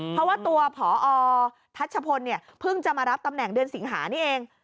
เพราะว่าตัวพอทัชพลเนี่ยเพิ่งจะมารับตำแหน่งเดือนสิงหานี่เอง